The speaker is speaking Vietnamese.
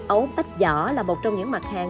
ấu tách giỏ là một trong những mặt hàng